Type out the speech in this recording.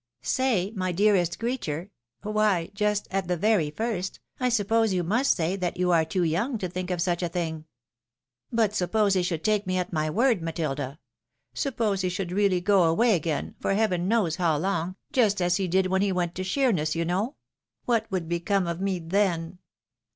" Say, my dearest creature ? Why, just at the very first, I suppose you must say that you are too young to think of such a thing." " But, suppose he should take me at my word, Matilda ? Suppose he should really go away again, for heaven knows how long, just as he did when he went to Sheerness, you know ? What woiild become of me then